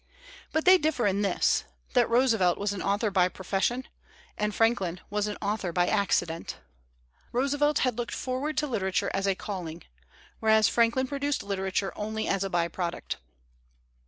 But they differ in this, that Roosevelt was an author by profession, and Franklin was an author by accident. Roose velt had looked forward to literature as a call ing, whereas Franklin produced literature only as a by product.